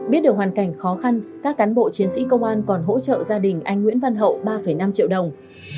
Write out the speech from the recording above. biết được hoàn cảnh khó khăn các cán bộ chiến sĩ công an còn hỗ trợ gia đình anh nguyễn văn hậu ba năm triệu đồng